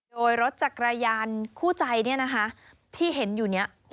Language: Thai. โดยรถจักรยานคู่ใจเนี่ยนะคะที่เห็นอยู่เนี่ย